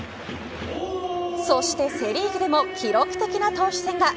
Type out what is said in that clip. そしてセ・リーグでも記録的な投手戦が。